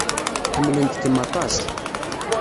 Ḥemmlent-kem aṭas.